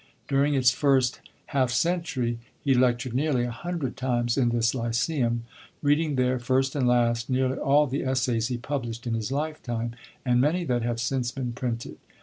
During its first half century he lectured nearly a hundred times in this Lyceum, reading there, first and last, nearly all the essays he published in his lifetime, and many that have since been printed.